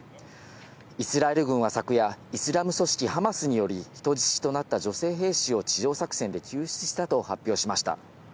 イスラエル軍は昨夜、イスラム組織ハマスにより人質となった女性兵士を地上作戦で救出したと発表しました。